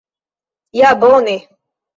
Ja, bone!